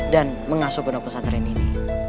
dan mengasuh pendokter santren ini